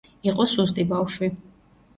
იყო სუსტი ბავშვი.